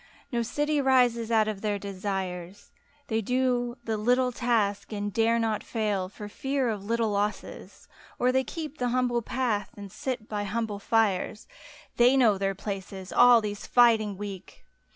No city rises out of their desires ; They do the little task, and dare not fail For fear of little losses — or they keep The humble path and sit by humble fires; They know their places — all these fighting Weak!